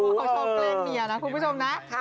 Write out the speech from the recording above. เขาชอบแกล้งเมียนะคุณผู้ชมนะ